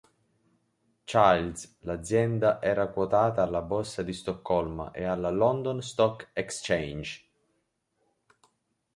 Childs, l'azienda era quotata alla Borsa di Stoccolma e alla London Stock Exchange.